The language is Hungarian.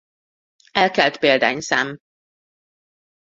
Elkelt példányszám